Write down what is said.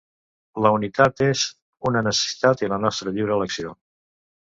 La unitat és una necessitat i la nostra lliure elecció.